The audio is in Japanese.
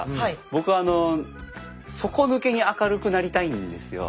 僕底抜けに明るくなりたいんですよ。